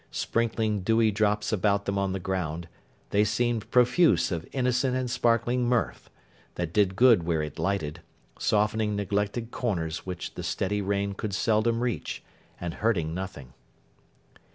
Sprinkling dewy drops about them on the ground, they seemed profuse of innocent and sparkling mirth, that did good where it lighted, softening neglected corners which the steady rain could seldom reach, and hurting nothing.